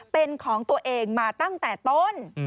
เป็นของตัวเองมาตั้งแต่ต้น